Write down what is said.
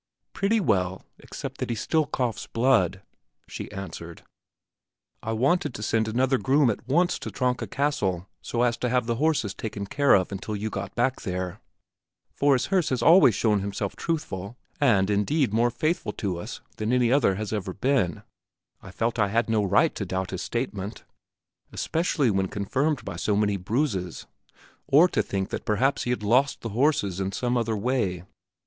"Pretty well, except that he still coughs blood," she answered. "I wanted to send another groom at once to Tronka Castle so as to have the horses taken care of until you got back there; for as Herse has always shown himself truthful and, indeed, more faithful to us than any other has ever been, I felt I had no right to doubt his statement, especially when confirmed by so many bruises, or to think that perhaps he had lost the horses in some other way.